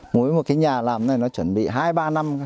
mỗi một nhà làm này chuẩn bị hai ba năm